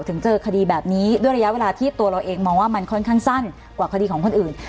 ถึงเจอคดีแบบนี้ด้วยระยะเวลาที่ตัวเราเองมองว่ามันค่อนข้างสั้นกว่าคดีของคนอื่น